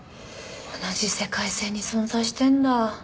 同じ世界線に存在してんだ。